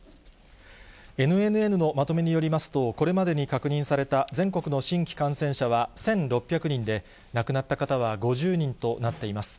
ＮＮＮのまとめによりますと、これまでに確認された全国の新規感染者は１６００人で、亡くなった方は５０人となっています。